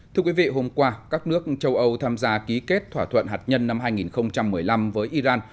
thưa quý vị hôm qua các nước châu âu tham gia ký kết thỏa thuận hạt nhân năm hai nghìn một mươi năm với iran